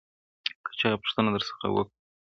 • که چا پوښتنه درڅخه وکړه -